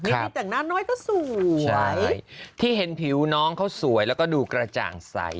นี่แต่งหน้าน้อยก็สวยที่เห็นผิวน้องเขาสวยแล้วก็ดูกระจ่างใส